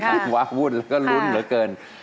ภาวะวุ่นแล้วก็ลุ้นเหลือเกิน